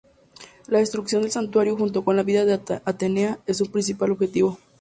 La destrucción del santuario, junto con la vida de Atenea, es su principal objetivo.